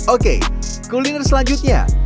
oke kuliner selanjutnya